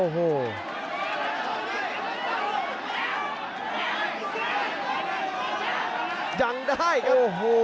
หยังได้ครับ